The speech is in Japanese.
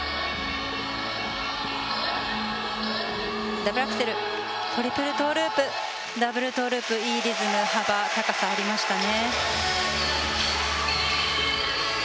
ダブルアクセルトリプルトーループダブルトーループいいリズム幅高さありましたね。